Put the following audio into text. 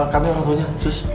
kami orang tuanya sus